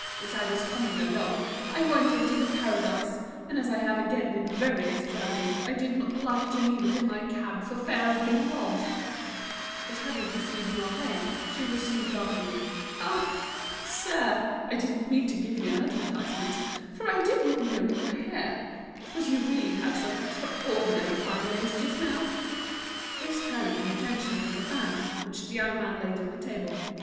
Just fancy, as I was coming along I went into The Paradise, and as I have again been very extravagant, I did not like to leave it in my cab for fear of being robbed." But having perceived Mouret, she resumed laughingly: "Ah! sir, I didn't mean to give you an advertisement, for I didn't know you were here. But you really have some extraordinary fine lace just now." This turned the attention from the fan, which the young man laid on the table.